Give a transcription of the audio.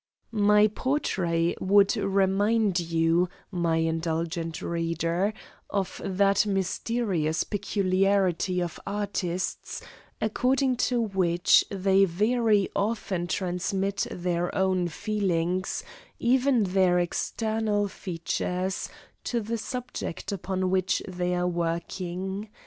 My portrait would remind you, my indulgent reader, of that mysterious peculiarity of artists, according to which they very often transmit their own feelings, even their external features, to the subject upon which they are working.